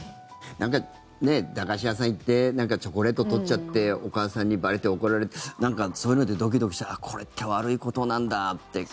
駄菓子屋さん行ってチョコレート取っちゃってお母さんにばれて怒られてそういうのでドキドキしてあっ、これって悪いことなんだって。